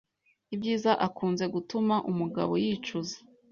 Ibyiza akunze gutuma umugabo yicuza